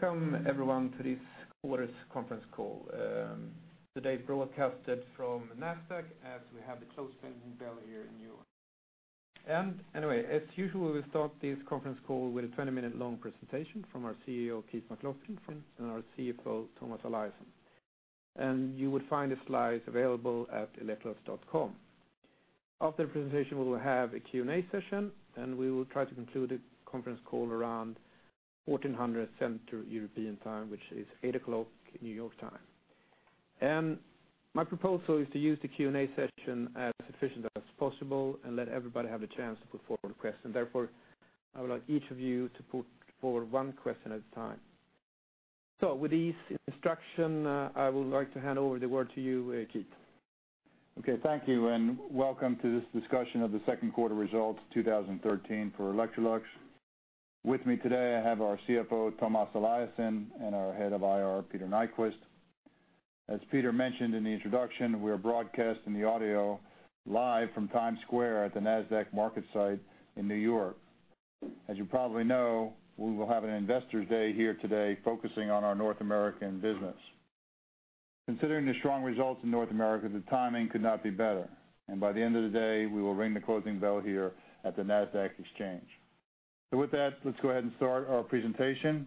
Welcome everyone to this quarter's conference call. Today, broadcasted from NASDAQ, as we have the closing bell here in New York. Anyway, as usual, we start this conference call with a 20-minute long presentation from our CEO, Keith McLoughlin, and our CFO, Tomas Eliasson. You would find the slides available at electrolux.com. After the presentation, we will have a Q&A session, and we will try to conclude the conference call around 2:00 P.M. Central European Time, which is 8:00 A.M. New York time. My proposal is to use the Q&A session as efficient as possible and let everybody have the chance to put forward a question. Therefore, I would like each of you to put forward one question at a time. With this instruction, I would like to hand over the word to you, Keith. Okay, thank you and welcome to this discussion of the second quarter results, 2013 for Electrolux. With me today, I have our CFO, Tomas Eliasson, and our head of IR, Peter Nyquist. As Peter mentioned in the introduction, we are broadcasting the audio live from Times Square at the NASDAQ MarketSite in New York. As you probably know, we will have an Investor Day here today, focusing on our North American business. Considering the strong results in North America, the timing could not be better, and by the end of the day, we will ring the closing bell here at the NASDAQ exchange. With that, let's go ahead and start our presentation.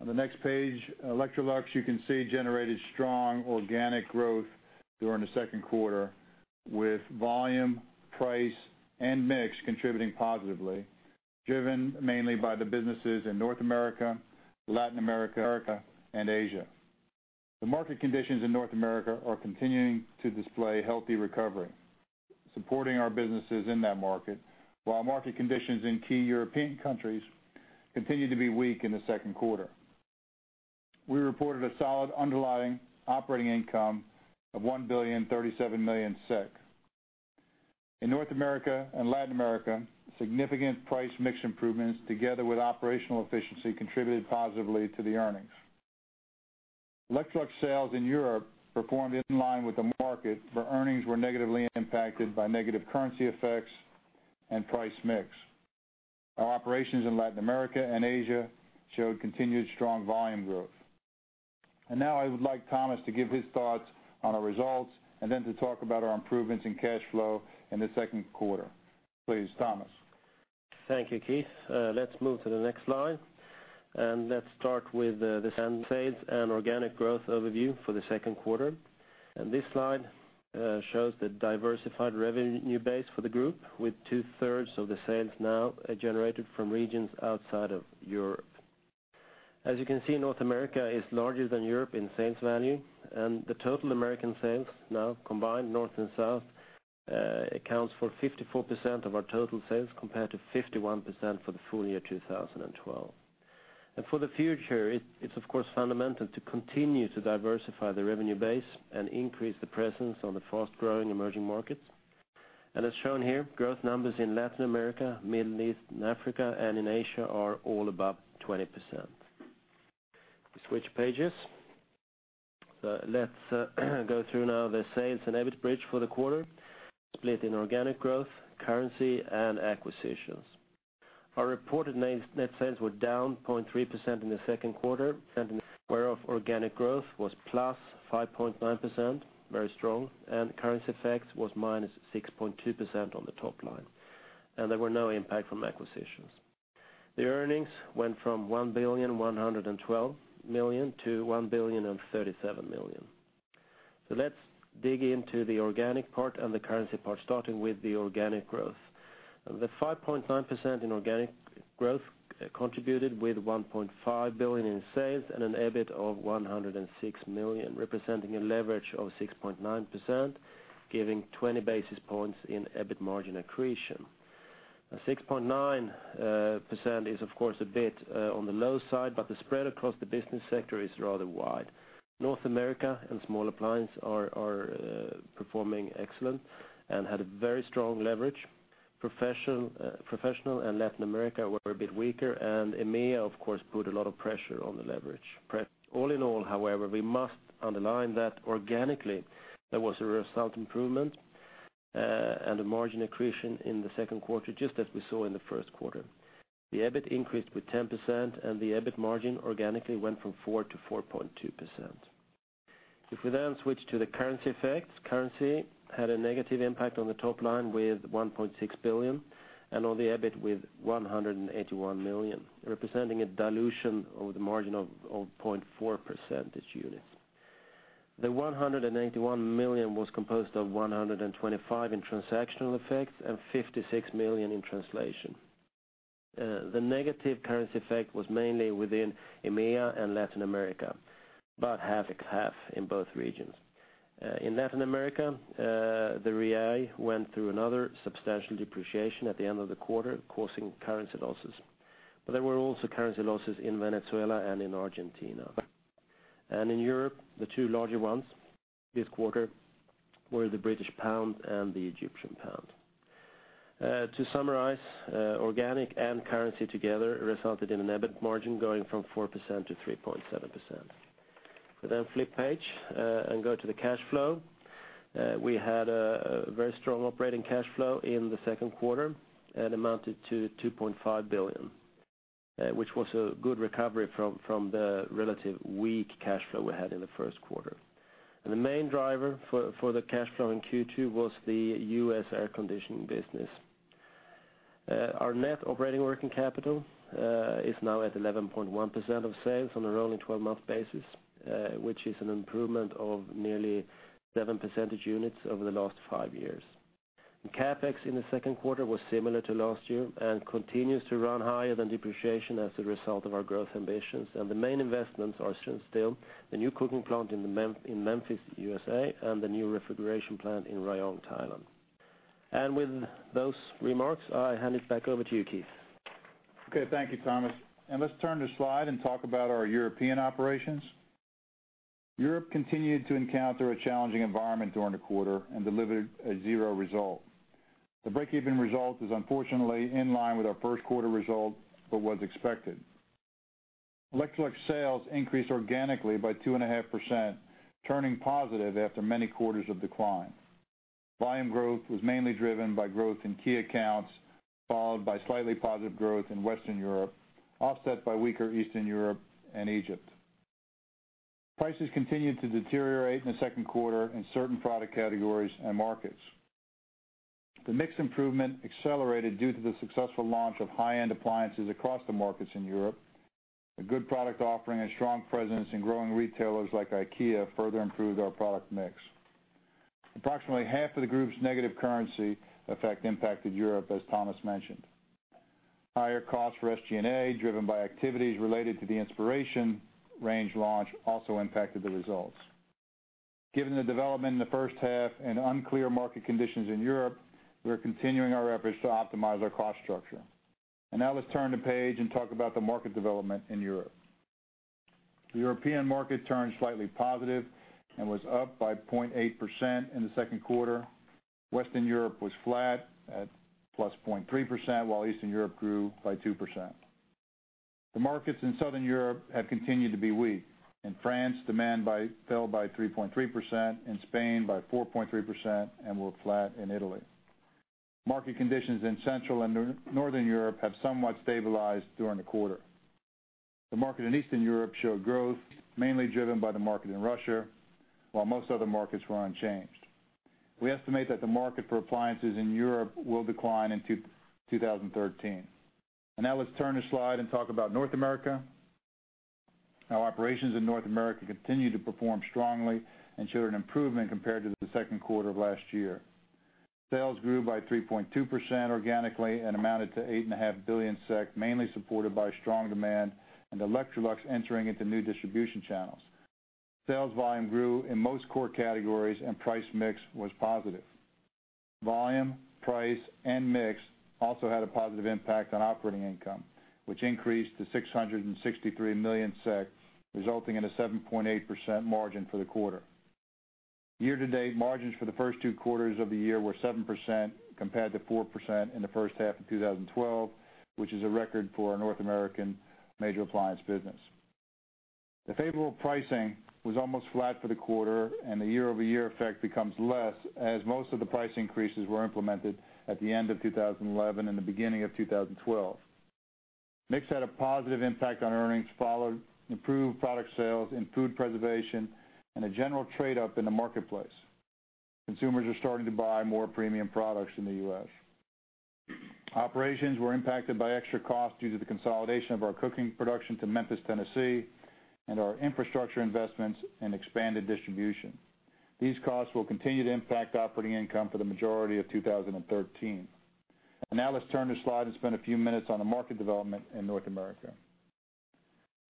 On the next page, Electrolux, you can see, generated strong organic growth during the second quarter, with volume, price, and mix contributing positively, driven mainly by the businesses in North America, Latin America, and Asia. The market conditions in North America are continuing to display healthy recovery, supporting our businesses in that market, while market conditions in key European countries continued to be weak in the second quarter. We reported a solid underlying operating income of 1,037 million SEK. In North America and Latin America, significant price mix improvements, together with operational efficiency, contributed positively to the earnings. Electrolux sales in Europe performed in line with the market, but earnings were negatively impacted by negative currency effects and price mix. Our operations in Latin America and Asia showed continued strong volume growth. Now I would like Tomas to give his thoughts on our results and then to talk about our improvements in cash flow in the second quarter. Please, Tomas. Thank you Keith. Let's move to the next slide. Let's start with the sales and organic growth overview for the second quarter. This slide shows the diversified revenue base for the group, with two-thirds of the sales now are generated from regions outside of Europe. As you can see, North America is larger than Europe in sales value. The total American sales now, combined north and south, accounts for 54% of our total sales, compared to 51% for the full year 2012. For the future, it's of course, fundamental to continue to diversify the revenue base and increase the presence on the fast-growing emerging markets. As shown here, growth numbers in Latin America, Middle East and Africa, and in Asia are all above 20%. We switch pages. Let's go through now the sales and EBIT bridge for the quarter, split in organic growth, currency, and acquisitions. Our reported main net sales were down 0.3% in the 2nd quarter, and whereof organic growth was +5.9%, very strong, and currency effect was -6.2% on the top line, and there were no impact from acquisitions. The earnings went from 1,112 billion to 1,037 billion. Let's dig into the organic part and the currency part, starting with the organic growth. The 5.9% in organic growth contributed with 1.5 billion in sales and an EBIT of 106 million, representing a leverage of 6.9%, giving 20 basis points in EBIT margin accretion, 6.9% is, of course, a bit on the low side, but the spread across the business sector is rather wide. North America and Small Appliance are performing excellent and had a very strong leverage. Professional and Latin America were a bit weaker, and EMEA, of course, put a lot of pressure on the leverage. All in all, however, we must underline that organically, there was a result improvement, and a margin accretion in the second quarter, just as we saw in the first quarter. The EBIT increased with 10%, and the EBIT margin organically went from 4% to 4.2%. Switch to the currency effect, currency had a negative impact on the top line with 1.6 billion and on the EBIT with 181 million, representing a dilution over the margin of 0.4% this unit. The 181 million was composed of 125 million in transactional effects and 56 million in translation. The negative currency effect was mainly within EMEA and Latin America, about half and half in both regions. In Latin America, the Real went through another substantial depreciation at the end of the quarter, causing currency losses. There were also currency losses in Venezuela and in Argentina. In Europe, the two larger ones this quarter were the British pound and the Egyptian pound. To summarize, organic and currency together resulted in an EBIT margin going from 4% to 3.7%. Flip page and go to the cash flow. We had a very strong operating cash flow in the second quarter and amounted to 2.5 billion, which was a good recovery from the relative weak cash flow we had in the first quarter. The main driver for the cash flow in Q2 was the U.S. air conditioning business. Our net operating working capital is now at 11.1% of sales on a rolling 12-month basis, which is an improvement of nearly 7 percentage units over the last 5five years. The CapEx in the second quarter was similar to last year and continues to run higher than depreciation as a result of our growth ambitions. The main investments are still in the new cooking plant in Memphis, USA, and the new refrigeration plant in Rayong, Thailand. With those remarks, I hand it back over to you, Keith. Okay. Thank you Tomas. Let's turn the slide and talk about our European operations. Europe continued to encounter a challenging environment during the quarter and delivered a zero result. The break-even result is unfortunately in line with our 1st quarter result, but was expected. Electrolux sales increased organically by 2.5%, turning positive after many quarters of decline. Volume growth was mainly driven by growth in key accounts, followed by slightly positive growth in Western Europe, offset by weaker Eastern Europe and Egypt. Prices continued to deteriorate in the 2nd quarter in certain product categories and markets. The mix improvement accelerated due to the successful launch of high-end appliances across the markets in Europe. A good product offering and strong presence in growing retailers like IKEA, further improved our product mix. Approximately half of the group's negative currency effect impacted Europe, as Tomas mentioned. Higher costs for SG&A, driven by activities related to the Inspiration Range launch, also impacted the results. Given the development in the first half and unclear market conditions in Europe, we are continuing our efforts to optimize our cost structure. Let's turn the page and talk about the market development in Europe. The European market turned slightly positive and was up by 0.8% in the second quarter. Western Europe was flat at plus 0.3%, while Eastern Europe grew by 2%. The markets in Southern Europe have continued to be weak. In France, demand fell by 3.3%, in Spain by 4.3%, and were flat in Italy. Market conditions in Central and Northern Europe have somewhat stabilized during the quarter. The market in Eastern Europe showed growth, mainly driven by the market in Russia, while most other markets were unchanged. We estimate that the market for appliances in Europe will decline in 2013. Now let's turn the slide and talk about North America. Our operations in North America continue to perform strongly and showed an improvement compared to the second quarter of last year. Sales grew by 3.2% organically and amounted to eight and a half billion SEK, mainly supported by strong demand and Electrolux entering into new distribution channels. Sales volume grew in most core categories, and price mix was positive. Volume, price, and mix also had a positive impact on operating income, which increased to 663 million SEK, resulting in a 7.8% margin for the quarter. Year-to-date, margins for the first two quarters of the year were 7%, compared to 4% in the first half of 2012, which is a record for our North American major appliance business. The favorable pricing was almost flat for the quarter, the year-over-year effect becomes less, as most of the price increases were implemented at the end of 2011 and the beginning of 2012. Mix had a positive impact on earnings, followed improved product sales in food preservation and a general trade up in the marketplace. Consumers are starting to buy more premium products in the U.S.. Operations were impacted by extra costs due to the consolidation of our cooking production to Memphis, Tennessee, and our infrastructure investments and expanded distribution. These costs will continue to impact operating income for the majority of 2013. Now let's turn the slide and spend a few minutes on the market development in North America.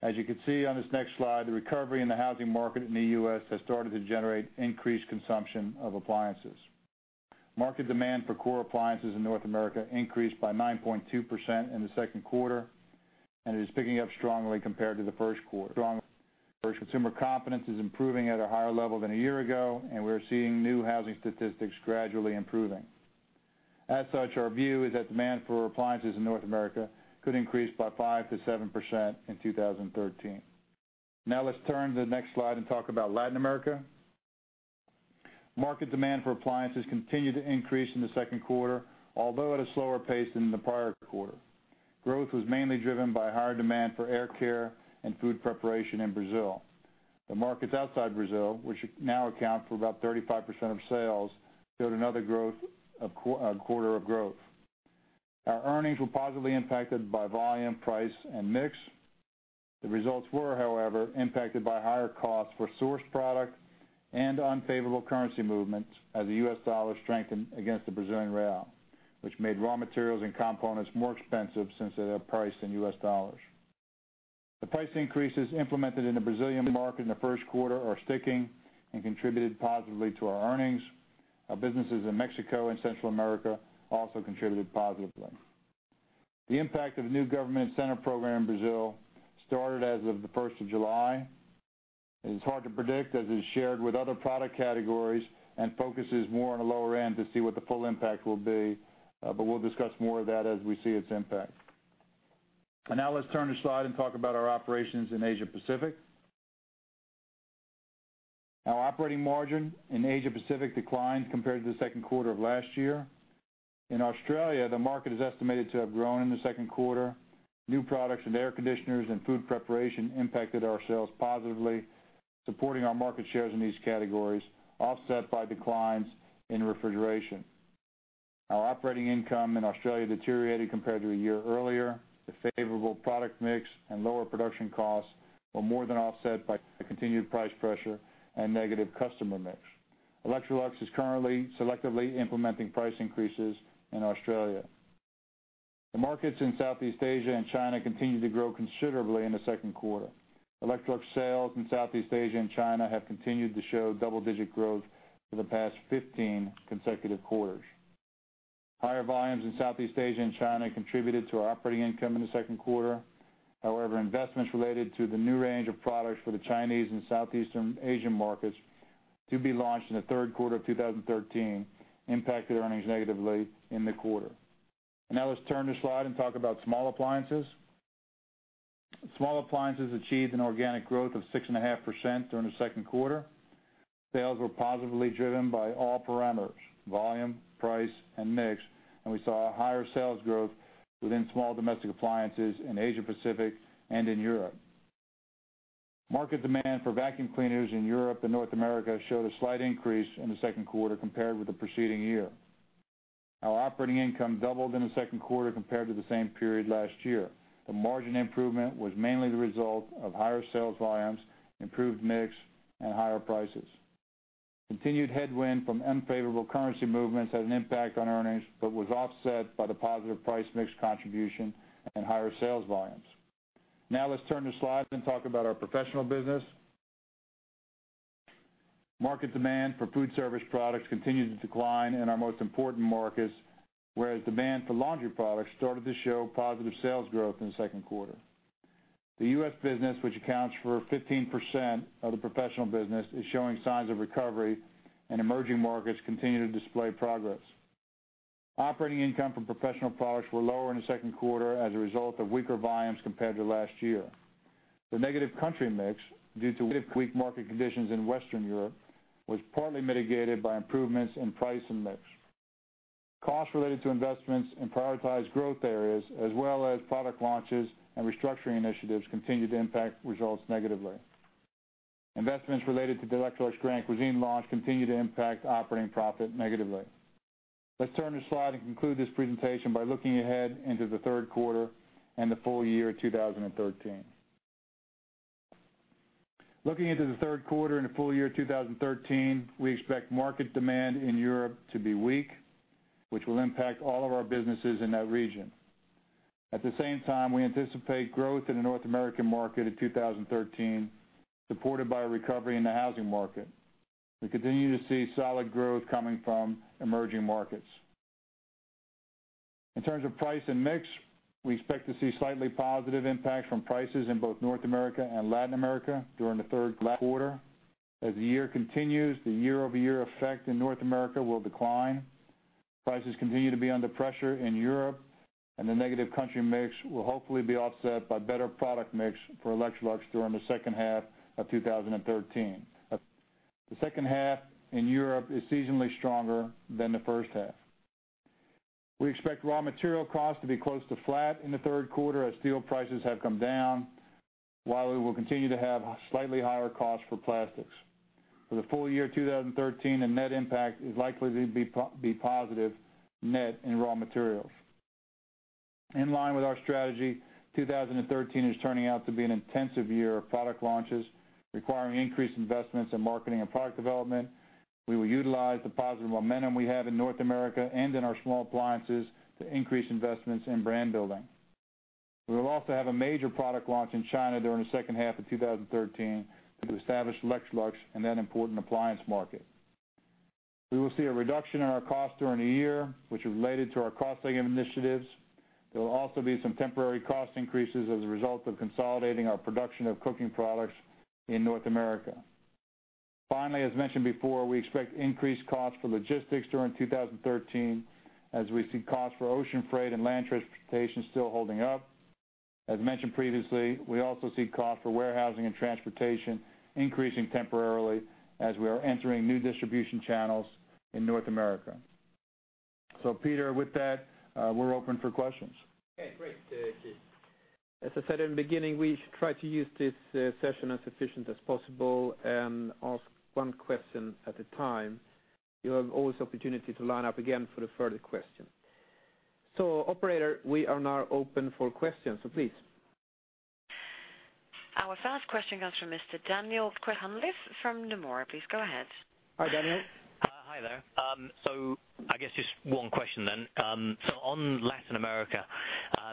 As you can see on this next slide, the recovery in the housing market in the U.S. has started to generate increased consumption of appliances. Market demand for core appliances in North America increased by 9.2% in the second quarter, and it is picking up strongly compared to the first quarter. Strong consumer confidence is improving at a higher level than a year ago, and we are seeing new housing statistics gradually improving. As such, our view is that demand for appliances in North America could increase by 5%-7% in 2013. Now let's turn to the next slide and talk about Latin America. Market demand for appliances continued to increase in the second quarter, although at a slower pace than the prior quarter. Growth was mainly driven by higher demand for air care and food preparation in Brazil. The markets outside Brazil, which now account for about 35% of sales, showed another quarter of growth. Our earnings were positively impacted by volume, price, and mix. The results were, however, impacted by higher costs for sourced product and unfavorable currency movements as the U.S. dollar strengthened against the Brazilian real, which made raw materials and components more expensive since they are priced in U.S. dollars. The price increases implemented in the Brazilian market in the first quarter are sticking and contributed positively to our earnings. Our businesses in Mexico and Central America also contributed positively. The impact of the new government center program in Brazil started as of the first of July. It is hard to predict, as is shared with other product categories, and focuses more on the lower end to see what the full impact will be, but we'll discuss more of that as we see its impact. Now let's turn the slide and talk about our operations in Asia Pacific. Our operating margin in Asia Pacific declined compared to the second quarter of last year. In Australia, the market is estimated to have grown in the second quarter. New products and air conditioners and food preparation impacted our sales positively, supporting our market shares in these categories, offset by declines in refrigeration. Our operating income in Australia deteriorated compared to a year earlier. The favorable product mix and lower production costs were more than offset by continued price pressure and negative customer mix. Electrolux is currently selectively implementing price increases in Australia. The markets in Southeast Asia and China continued to grow considerably in the second quarter. Electrolux sales in Southeast Asia and China have continued to show double-digit growth for the past 15 consecutive quarters. Higher volumes in Southeast Asia and China contributed to our operating income in the second quarter. However, investments related to the new range of products for the Chinese and Southeastern Asian markets, to be launched in the third quarter of 2013, impacted earnings negatively in the quarter. Now let's turn the slide and talk about small appliances. Small appliances achieved an organic growth of 6.5% during the second quarter. Sales were positively driven by all parameters, volume, price, and mix, and we saw a higher sales growth within small domestic appliances in Asia Pacific and in Europe. Market demand for vacuum cleaners in Europe and North America showed a slight increase in the second quarter compared with the preceding year. Our operating income doubled in the second quarter compared to the same period last year. The margin improvement was mainly the result of higher sales volumes, improved mix, and higher prices. Continued headwind from unfavorable currency movements had an impact on earnings, but was offset by the positive price mix contribution and higher sales volumes. Now let's turn the slide and talk about our professional business. Market demand for food service products continued to decline in our most important markets, whereas demand for laundry products started to show positive sales growth in the second quarter. The U.S. business, which accounts for 15% of the professional business, is showing signs of recovery, and emerging markets continue to display progress. Operating income from professional products was lower in the second quarter as a result of weaker volumes compared to last year. The negative country mix, due to weak market conditions in Western Europe, was partly mitigated by improvements in price and mix. Costs related to investments in prioritized growth areas, as well as product launches and restructuring initiatives, continued to impact results negatively. Investments related to the Electrolux Grand Cuisine launch continue to impact operating profit negatively. Let's turn the slide and conclude this presentation by looking ahead into the third quarter and the full year 2013. Looking into the third quarter and the full year 2013, we expect market demand in Europe to be weak, which will impact all of our businesses in that region. At the same time, we anticipate growth in the North American market in 2013, supported by a recovery in the housing market. We continue to see solid growth coming from emerging markets. In terms of price and mix, we expect to see slightly positive impact from prices in both North America and Latin America during the 3rd quarter. As the year continues, the year-over-year effect in North America will decline. Prices continue to be under pressure in Europe, and the negative country mix will hopefully be offset by better product mix for Electrolux during the 2nd half of 2013. The 2nd half in Europe is seasonally stronger than the 1st half. We expect raw material costs to be close to flat in the 3rd quarter as steel prices have come down, while we will continue to have slightly higher costs for plastics. For the full year 2013, the net impact is likely to be positive net in raw materials. In line with our strategy, 2013 is turning out to be an intensive year of product launches, requiring increased investments in marketing and product development. We will utilize the positive momentum we have in North America and in our small appliances to increase investments in brand building. We will also have a major product launch in China during the second half of 2013 to establish Electrolux in that important appliance market. We will see a reduction in our cost during the year, which is related to our cost-saving initiatives. There will also be some temporary cost increases as a result of consolidating our production of cooking products in North America. Finally, as mentioned before, we expect increased costs for logistics during 2013, as we see costs for ocean freight and land transportation still holding up. As mentioned previously, we also see cost for warehousing and transportation increasing temporarily as we are entering new distribution channels in North America. Peter, with that, we're open for questions. Okay, great, Keith. As I said in the beginning, we should try to use this session as efficient as possible and ask one question at a time. You have always opportunity to line up again for the further question. Operator, we are now open for questions, so please. Our first question comes from Mr. Daniel Cunliffe from Nomura. Please go ahead. Hi, Daniel. Hi there. I guess just one question. On Latin America,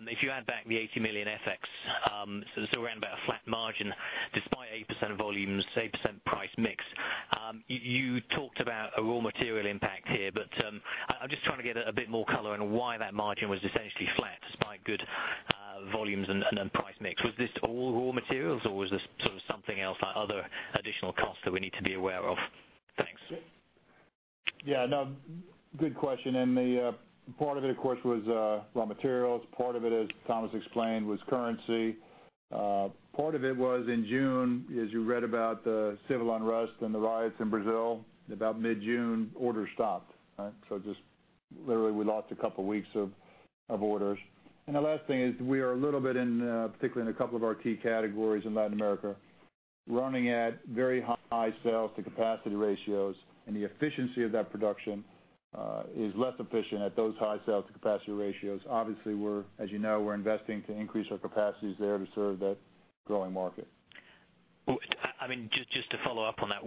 if you add back the $80 million FX, around about a flat margin, despite 8% volumes, 8% price mix. You talked about a raw material impact here, but I'm just trying to get a bit more color on why that margin was essentially flat despite good volumes and price mix? Was this all raw materials, or was this sort of something else, like other additional costs that we need to be aware of? Thanks. Yeah, no, good question. The part of it, of course, was raw materials. Part of it, as Thomas explained, was currency. Part of it was in June, as you read about the civil unrest and the riots in Brazil, about mid-June, orders stopped, right? Just literally, we lost a couple weeks of orders. The last thing is we are a little bit in, particularly in a couple of our key categories in Latin America, running at very high sales to capacity ratios, and the efficiency of that production is less efficient at those high sales to capacity ratios. We're, as you know, we're investing to increase our capacities there to serve that growing market. Well, I mean just to follow up on that,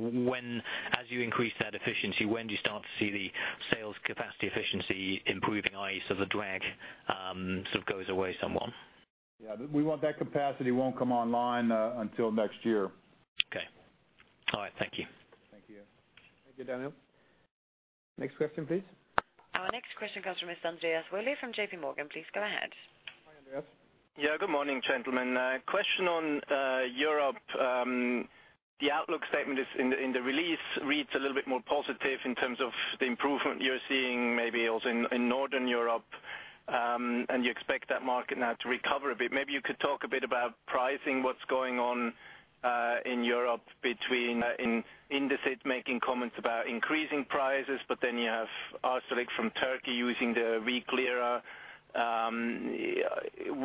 As you increase that efficiency, when do you start to see the sales capacity efficiency improving, i.e., so the drag, sort of goes away somewhat? Yeah, we want that capacity won't come online, until next year. Okay. All right, thank you. Thank you. Thank you, Daniel. Next question, please. Our next question comes from Andreas Willi from JPMorgan. Please go ahead. Hi, Andreas. Good morning gentlemen. Question on Europe? The outlook statement is in the release, reads a little bit more positive in terms of the improvement you're seeing, maybe also in Northern Europe, and you expect that market now to recover a bit. Maybe you could talk a bit about pricing, what's going on in Europe between Indesit making comments about increasing prices, but then you have Arçelik from Turkey using the weak lira.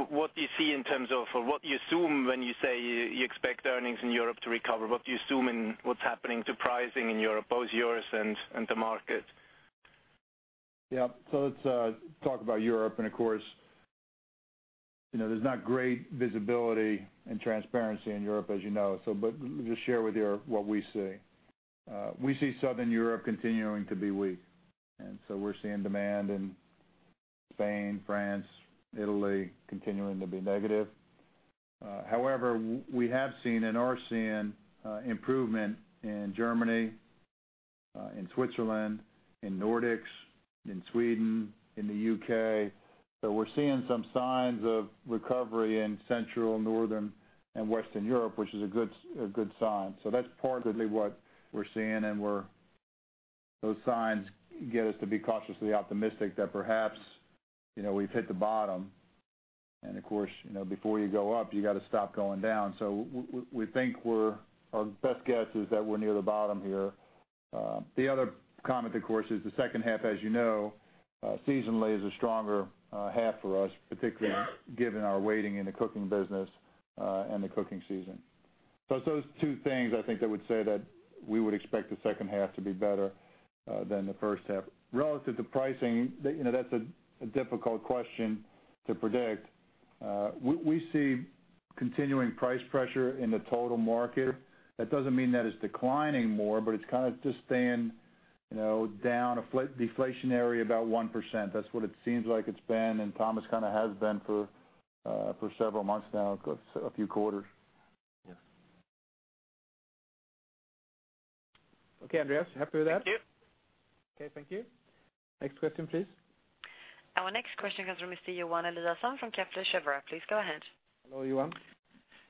What do you see in terms of, or what do you assume when you say you expect earnings in Europe to recover? What do you assume in what's happening to pricing in Europe, both yours and the market? Let's talk about Europe. Of course, you know, there's not great visibility and transparency in Europe, as you know, just share with you what we see. We see Southern Europe continuing to be weak. We're seeing demand in Spain, France, Italy, continuing to be negative. However, we have seen and are seeing improvement in Germany, in Switzerland, in Nordics, in Sweden, in the U.K.. We're seeing some signs of recovery in Central, Northern, and Western Europe, which is a good sign. That's partly what we're seeing. Those signs get us to be cautiously optimistic that perhaps, you know, we've hit the bottom. Of course, you know, before you go up, you gotta stop going down. We think we're. Our best guess is that we're near the bottom here. The other comment, of course, is the second half, as you know, seasonally, is a stronger half for us, particularly given our weighting in the cooking business and the cooking season. It's those two things, I think, that would say that we would expect the second half to be better than the first half. Relative to pricing, you know, that's a difficult question to predict. We see continuing price pressure in the total market. That doesn't mean that it's declining more, but it's kind of just staying, you know, down a flat deflationary, about 1%. That's what it seems like it's been, and Tomas kind of has been for several months now, of course, a few quarters. Yes. Okay Andreas, happy with that? Thank you. Okay, thank you. Next question, please. Our next question comes from Mr. Johan Eliasson from Kepler Cheuvreux. Please go ahead. Hello, Johan.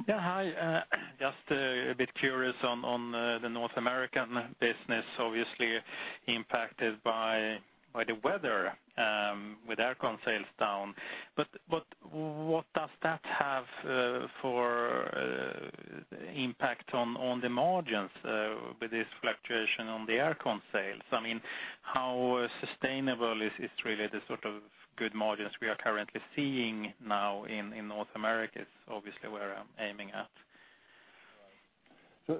Yeah, hi. Just a bit curious on the North American business, obviously impacted by the weather, with air con sales down. What does that have for impact on the margins with this fluctuation on the air con sales? I mean, how sustainable is really the sort of good margins we are currently seeing now in North America, obviously, where I'm aiming at?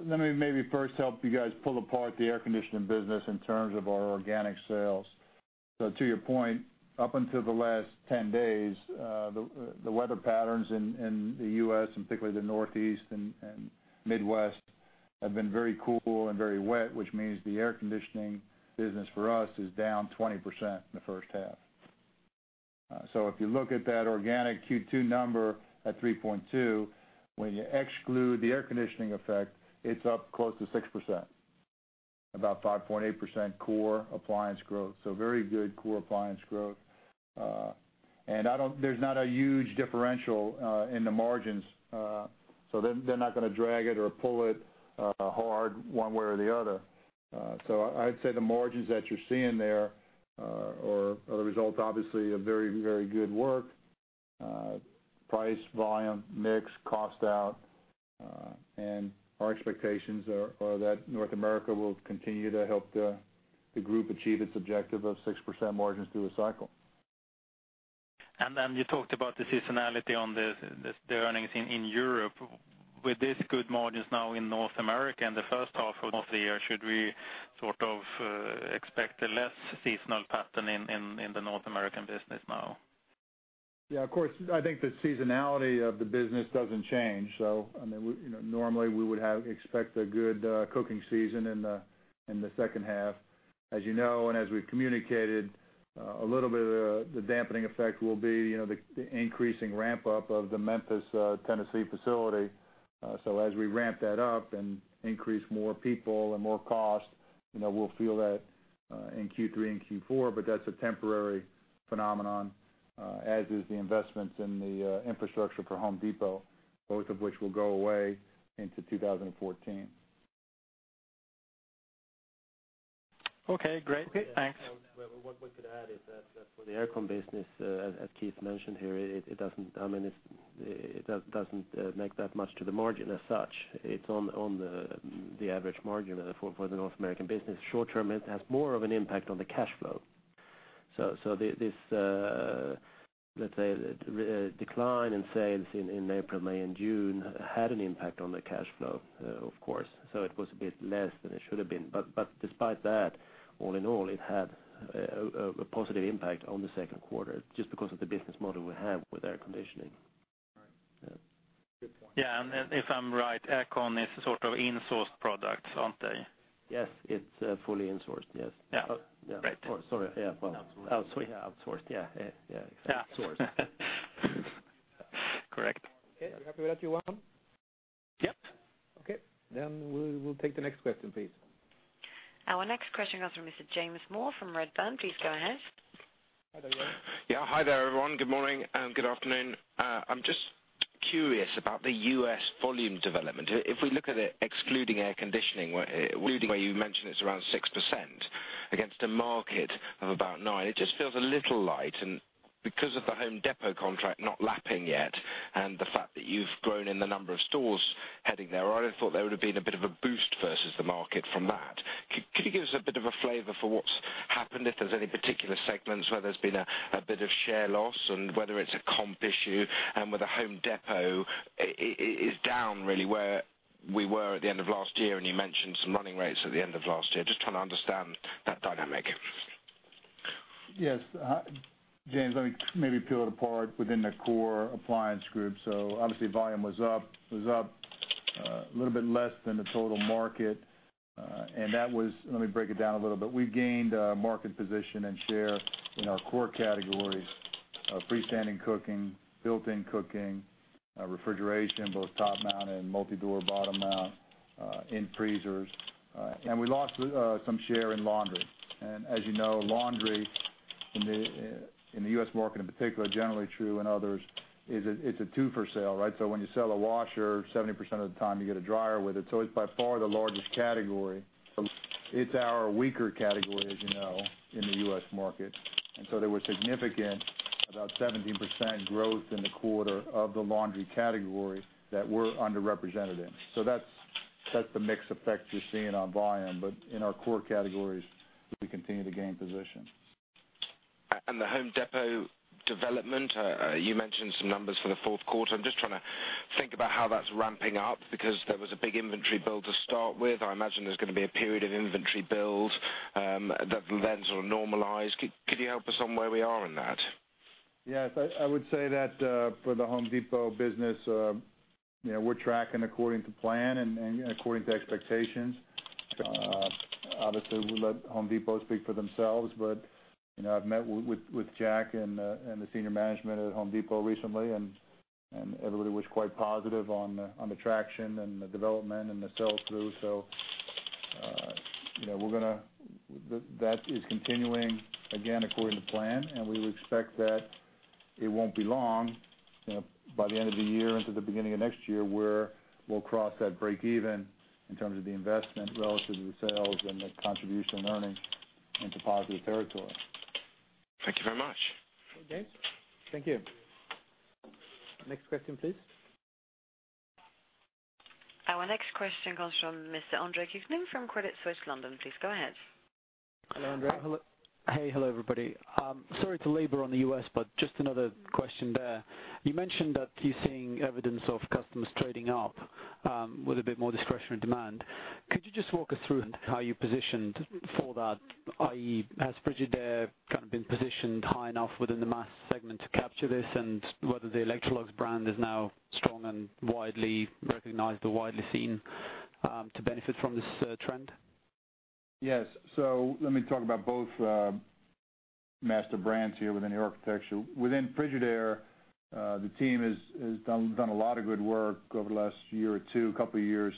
Let me maybe first help you guys pull apart the air conditioning business in terms of our organic sales. To your point, up until the last 10 days, the weather patterns in the U.S., and particularly the Northeast and Midwest, have been very cool and very wet, which means the air conditioning business for us is down 20% in the first half. If you look at that organic Q2 number at 3.2%, when you exclude the air conditioning effect, it's up close to 6%, about 5.8% core appliance growth, so very good core appliance growth. I don't there's not a huge differential in the margins, so they're not gonna drag it or pull it hard one way or the other. I'd say the margins that you're seeing there are the result, obviously, of very, very good work, price, volume, mix, cost out, and our expectations are that North America will continue to help the group achieve its objective of 6% margins through the cycle. Then you talked about the seasonality on the earnings in Europe. With this good margins now in North America in the first half of the year, should we sort of expect a less seasonal pattern in the North American business now? Yeah, of course. I think the seasonality of the business doesn't change. I mean, we, you know, normally we would have expect a good cooking season in the second half. As you know, and as we've communicated, a little bit of the dampening effect will be, you know, the increasing ramp-up of the Memphis, Tennessee facility. As we ramp that up and increase more people and more cost, you know, we'll feel that in Q3 and Q4, but that's a temporary phenomenon, as is the investments in the infrastructure for Home Depot, both of which will go away into 2014. Okay, great. Thanks. What we could add is that for the aircon business, as Keith mentioned here, it doesn't, I mean, it doesn't make that much to the margin as such. It's on the average margin for the North American business. Short term, it has more of an impact on the cash flow. The this, let's say, decline in sales in April, May, and June had an impact on the cash flow, of course, so it was a bit less than it should have been. Despite that, all in all, it had a positive impact on the second quarter, just because of the business model we have with air conditioning. All right. Good point. Yeah, if I'm right, air con is sort of in-sourced products, aren't they? Yes, it's fully in-sourced. Yes. Yeah. Yeah. Right. Sorry. Yeah. Outsourced. Outsourced. Yeah. Yeah. Yeah. Correct. Okay. Are you happy with that, Johan? Yep. Okay. We'll take the next question, please. Our next question comes from Mr. James Moore from Redburn. Please go ahead. Hi there. Yeah, hi there, everyone. Good morning and good afternoon. I'm just curious about the U.S. volume development. If we look at it, excluding air conditioning, where you mentioned it's around 6% against a market of about 9%, it just feels a little light. Because of the Home Depot contract not lapping yet, and the fact that you've grown in the number of stores heading there, I'd have thought there would have been a bit of a boost versus the market from that. Could you give us a bit of a flavor for what's happened, if there's any particular segments where there's been a bit of share loss and whether it's a comp issue? With the Home Depot, it's down really, where we were at the end of last year, and you mentioned some running rates at the end of last year. Just trying to understand that dynamic. Yes, James let me maybe peel it apart within the core appliance group. Obviously, volume was up. It was up a little bit less than the total market. Let me break it down a little bit. We gained market position and share in our core categories of freestanding cooking, built-in cooking, refrigeration, both top mount and multi-door bottom mount, in freezers, and we lost some share in laundry. As you know, laundry in the U.S. market in particular, generally true in others, is a, it's a two for sale, right? When you sell a washer, 70% of the time you get a dryer with it, so it's by far the largest category. It's our weaker category, as you know, in the U.S. market. There was significant, about 17% growth in the quarter of the laundry category that we're underrepresented in. That's the mix effect you're seeing on volume. In our core categories, we continue to gain position. The Home Depot development, you mentioned some numbers for the fourth quarter. I'm just trying to think about how that's ramping up, because there was a big inventory build to start with. I imagine there's going to be a period of inventory build that then sort of normalize. Could you help us on where we are in that? Yes, I would say that, for the Home Depot business, you know, we're tracking according to plan and according to expectations. Obviously, we let Home Depot speak for themselves. You know, I've met with Jack and the senior management at Home Depot recently, and everybody was quite positive on the traction and the development and the sell-through. You know, that is continuing, again, according to plan. We would expect that it won't be long, you know, by the end of the year into the beginning of next year, where we'll cross that break even in terms of the investment relative to the sales and the contribution and earnings into positive territory. Thank you very much. Okay, thank you. Next question, please. Our next question comes from Mr. Andre Kukhnin from Credit Suisse, London. Please go ahead. Hello Andre. Hey, hello, everybody. Sorry to labor on the U.S.. Just another question there. You mentioned that you're seeing evidence of customers trading up, with a bit more discretionary demand. Could you just walk us through how you positioned for that? i.e., has Frigidaire kind of been positioned high enough within the mass segment to capture this, and whether the Electrolux brand is now strong and widely recognized or widely seen, to benefit from this, trend? Yes. Let me talk about both master brands here within the architecture. Within Frigidaire, the team has done a lot of good work over the last year or two, couple of years,